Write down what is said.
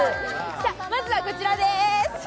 まずは、こちらです。